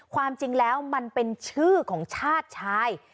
ความจริงแล้วมันเป็นชื่อของชาติชาย